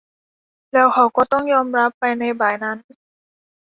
แล้วเค้าก็ต้องยอมรับไปในบ่ายนั้น